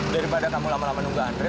daripada kamu lama lama menunggu andre